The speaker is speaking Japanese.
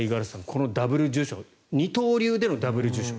このダブル受賞二刀流でのダブル受賞。